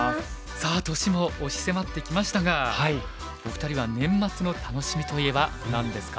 さあ年も押し迫ってきましたがお二人は年末の楽しみといえば何ですか？